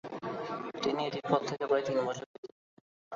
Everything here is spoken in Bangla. তিনি এটির পর থেকে প্রায় তিন বছর বেঁচে ছিলেন।